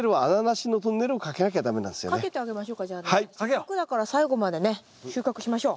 せっかくだから最後までね収穫しましょう。